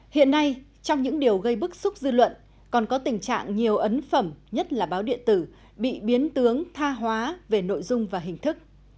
hiện nay trong những điều gây bức xúc dư luận còn có tình trạng nhiều ấn phẩm nhất là báo điện tử bị biến tướng tha hóa về nội dung và hình thức